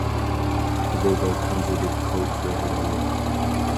Today they are considered culture heroes.